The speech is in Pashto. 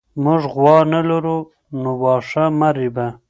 موږ غوا نه لرو نو واښه مه رېبه.